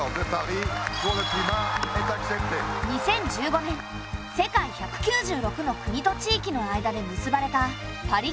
２０１５年世界１９６の国と地域の間で結ばれたパリ協定。